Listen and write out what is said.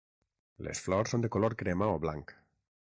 Les flors són de color crema o blanc.